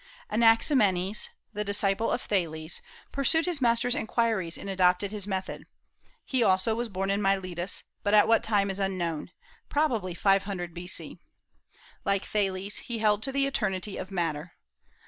Anaximenes, the disciple of Thales, pursued his master's inquiries and adopted his method. He also was born in Miletus, but at what time is unknown, probably 500 B.C. Like Thales, he held to the eternity of matter.